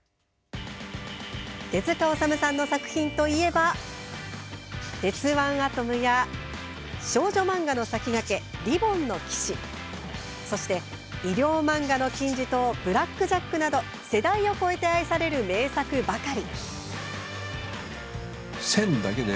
手塚治虫さんの作品といえば「鉄腕アトム」や少女漫画の先駆け「リボンの騎士」そして、医療漫画の金字塔「ブラック・ジャック」など世代を超えて愛される名作ばかり。